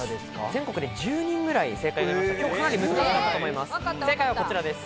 全国で１０人ぐらい正解がいます。